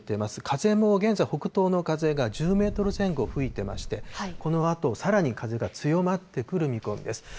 風も現在、北東の風が１０メートル前後吹いてまして、このあとさらに風が強まってくる見込みです。